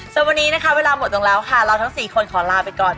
ส่วนวันนี้นะคะเวลาหมดลงแล้วค่ะเราทั้ง๔คนขอลาไปก่อน